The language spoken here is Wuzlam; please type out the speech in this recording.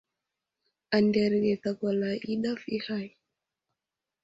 Anderge ɗakwala i ɗaf i hay.